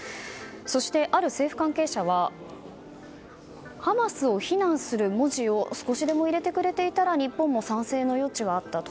そして、ある政府関係者はハマスを非難する文字を少しでも入れてくれていたら日本も賛成の余地があったと。